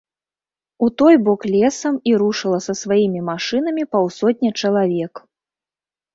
У той бок лесам і рушыла са сваімі машынамі паўсотня чалавек.